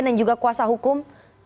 dan juga kuasa hukum